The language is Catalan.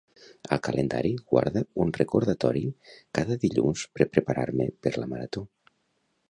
Al calendari guarda un recordatori cada dilluns per preparar-me per la marató.